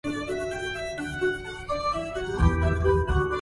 الساعة العاشرة والثلث.